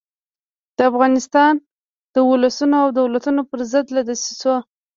د افغانستان د اولسونو او دولتونو پر ضد له دسیسو.